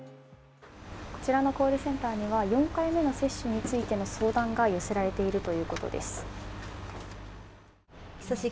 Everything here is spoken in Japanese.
こちらのコールセンターには４回目の接種についての相談が寄せられているということです。